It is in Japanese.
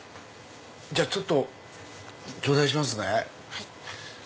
じゃあちょっとちょうだいしますね。